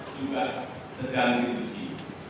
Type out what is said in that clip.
juga sedang diuji